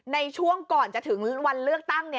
ในช่วงก่อนจะถึงวันเลือกตั้ง